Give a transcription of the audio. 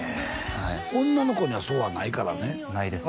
女の子にはそうはないからねないですね